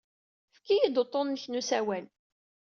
Efk-iyi-d uḍḍun-nnek n usawal.